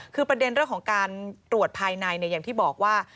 คือประเด็นเรื่องของการตรวจภายในอย่างที่บอกว่า